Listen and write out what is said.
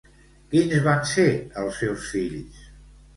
Quins van ser els seus fills?